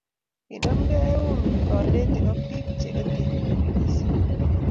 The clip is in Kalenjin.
kinamgei eun konetik ak biik che ketei pikipikisiek.